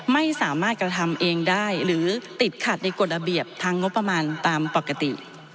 ไม่สามารถกระทำเองได้หรือติดขัดในกฎระเบียบทางงบประมาณตามปกติ